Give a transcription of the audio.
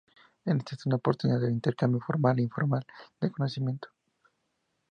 Ésta es una oportunidad de intercambio formal e informal de conocimiento.